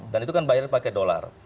dan itu kan bayar pakai dolar